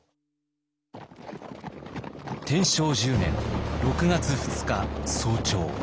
天正１０年６月２日早朝。